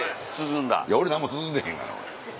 いや俺何も涼んでへんがな。